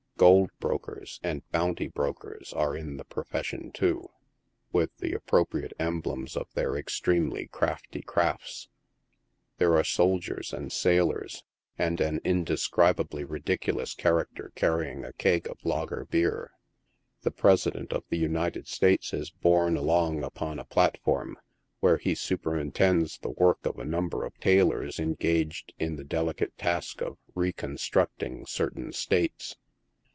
Gold brokers and bounty bro kers are in the procession, too, with the appropriate emblems of their extremely crafty crafts. There are soldiers and sailors, and an indescribably ridiculous character carrying a keg of lager bier. The Presiient of the United States is borne along upon a platform, where he superintends the work of a number of tailors engaged in the delicate task of " reconstructing" certain States.